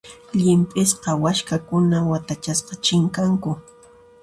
Llimp'isqa waskhakuna watachasqa chinkanku.